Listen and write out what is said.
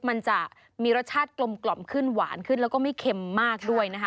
มันจะมีรสชาติกลมขึ้นหวานขึ้นแล้วก็ไม่เค็มมากด้วยนะคะ